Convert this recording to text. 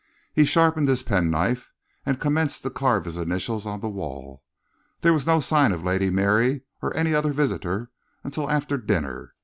He sharpened his penknife and commenced to carve his initials on the wall. There were no signs of Lady Mary or any other visitors until after dinner.